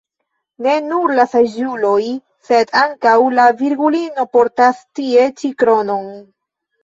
Ne nur la saĝuloj sed ankaŭ la Virgulino portas tie ĉi kronon.